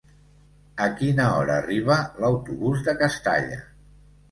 A quina hora arriba l'autobús de Castalla?